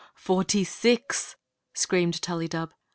" Forty six !" screamed Tullydub.